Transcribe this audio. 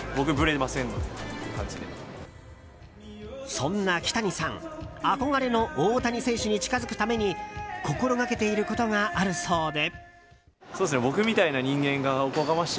そんなキタニさん憧れの大谷選手に近づくために心がけていることがあるそうで。